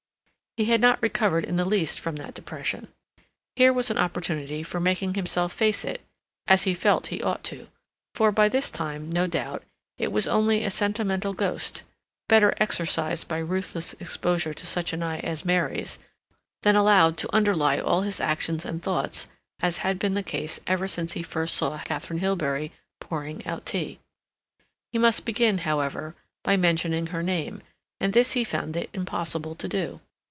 He had not recovered in the least from that depression. Here was an opportunity for making himself face it, as he felt that he ought to; for, by this time, no doubt, it was only a sentimental ghost, better exorcised by ruthless exposure to such an eye as Mary's, than allowed to underlie all his actions and thoughts as had been the case ever since he first saw Katharine Hilbery pouring out tea. He must begin, however, by mentioning her name, and this he found it impossible to do.